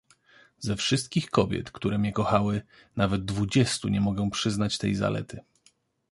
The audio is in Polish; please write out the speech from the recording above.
"Ze wszystkich kobiet, które mnie kochały, nawet dwudziestu nie mogę przyznać tej zalety!"